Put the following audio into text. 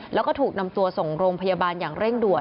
แล้วก็ถูกนำตัวส่งโรงพยาบาลอย่างเร่งด่วน